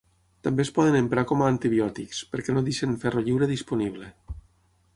També es poden emprar com a antibiòtics, perquè no deixen ferro lliure disponible.